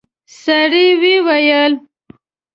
سړي وويل: